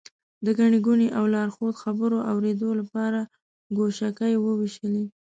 د ګڼې ګوڼې او لارښود خبرو اورېدو لپاره ګوشکۍ ووېشلې.